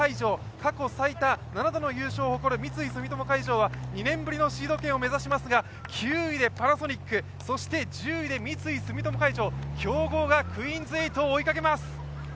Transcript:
過去最多７度の優勝を誇る三井住友海上は２年ぶりのシード権を目指しますが、９位でパナソニック、１０位で三井住友海上、強豪がクイーンズ８を追いかけます。